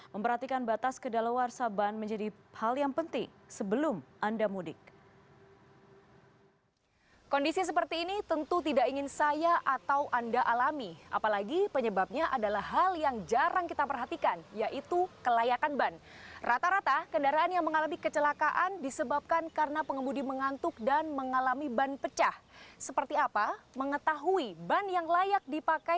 memperhatikan batas ke dalawar saban menjadi hal yang penting sebelum anda mudik